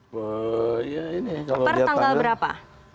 per tanggal berapa